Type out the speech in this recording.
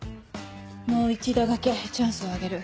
もう一度だけチャンスをあげる。